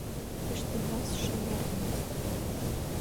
Тыште власть Шемер власть